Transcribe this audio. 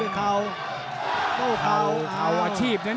หรือว่าผู้สุดท้ายมีสิงคลอยวิทยาหมูสะพานใหม่